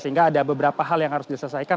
sehingga ada beberapa hal yang harus diselesaikan